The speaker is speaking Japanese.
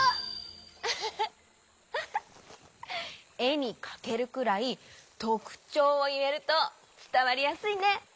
ウフフえにかけるくらいとくちょうをいえるとつたわりやすいね。